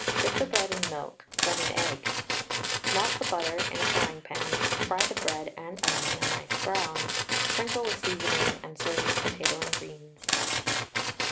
Dip the bread in milk, then in egg; melt the butter in a frying pan, fry the bread and onion a nice brown, sprinkle with seasoning and serve with potato and greens.